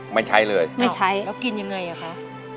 ไม่ใช้เลยไม่ใช้แล้วกินยังไงอ่ะคะ